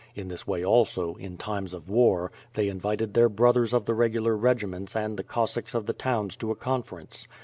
In this way also, in times of war, they invited their brothers of the regular regiments and the Cossacks of the towns to a conference.